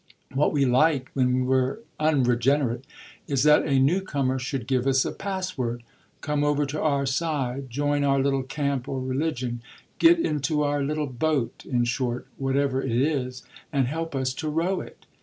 What we like, when we're unregenerate, is that a new comer should give us a password, come over to our side, join our little camp or religion, get into our little boat, in short, whatever it is, and help us to row it.